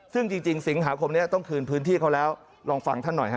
ซึ่งจริงสิงหาคมนี้ต้องคืนพื้นที่เขาแล้วลองฟังท่านหน่อยฮะ